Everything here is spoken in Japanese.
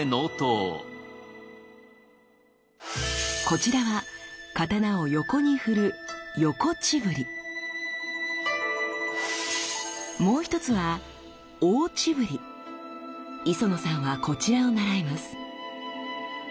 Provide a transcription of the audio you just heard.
こちらは刀を横に振るもう一つは磯野さんはこちらを習います。